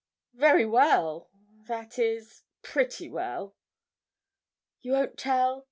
'Very well that is, pretty well. You won't tell?